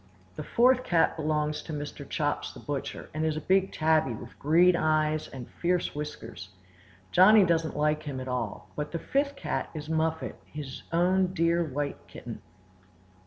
The fourth cat belongs to Mr. Chops the butcher, and is a big tabby, with green eyes and fierce whiskers. Johnny does not like him at all. But the fifth cat is Muffet, his own dear white kitten.